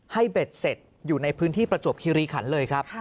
เบ็ดเสร็จอยู่ในพื้นที่ประจวบคิริขันเลยครับ